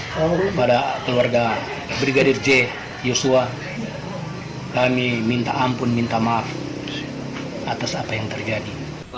kepada keluarga brigadir j yosua kami minta ampun minta maaf atas apa yang terjadi